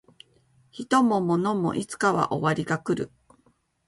人も物もいつかは終わりが来る